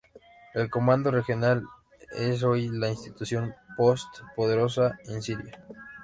El Comando Regional es hoy la institución post poderosa en Siria.